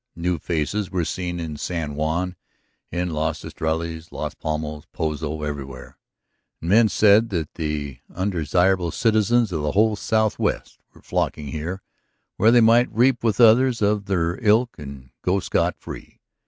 New faces were seen in San Juan, in Las Estrellas, Las Palmas, Pozo, everywhere, and men said that the undesirable citizens of the whole Southwest were flocking here where they might reap with others of their ilk and go scot free.